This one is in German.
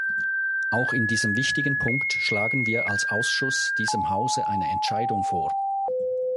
Auch in diesem wichtigen Punkt schlagen wir als Ausschuss diesem Hause eine Entscheidung vor.